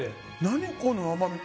何、この甘み。